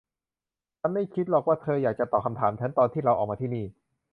ฉันไม่คิดหรอกว่าเธออยากจะตอบคำถามฉันตอนที่เราออกมาที่นี่